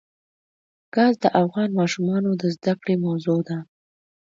ګاز د افغان ماشومانو د زده کړې موضوع ده.